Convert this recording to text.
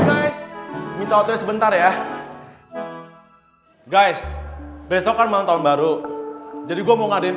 hai hai hai hai hai guys banget nih sebentar ya guys besok malam tahun baru jadi gua mau ngadain